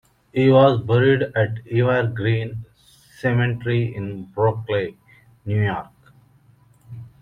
He was buried at Evergreen Cemetery in Brooklyn, New York.